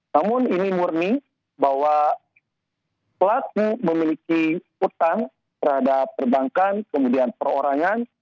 namun ini murni bahwa pelaku memiliki utang terhadap perbankan kemudian perorangan